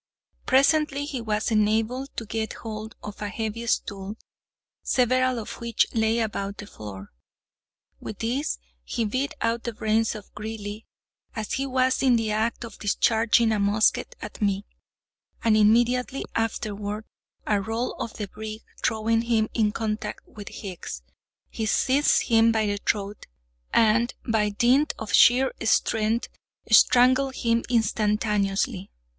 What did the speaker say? Presently he was enabled to get hold of a heavy stool, several of which lay about the floor. With this he beat out the brains of Greely as he was in the act of discharging a musket at me, and immediately afterward a roll of the brig throwing him in contact with Hicks, he seized him by the throat, and, by dint of sheer strength, strangled him instantaneously.